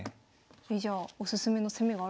えじゃあおすすめの攻めがあるんですか？